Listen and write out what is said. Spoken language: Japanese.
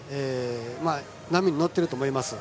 波に乗っていると思います。